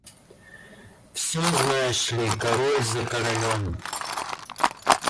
Всё, знаешь ли, король за королем.